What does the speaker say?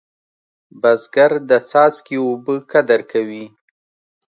بزګر د څاڅکي اوبه قدر کوي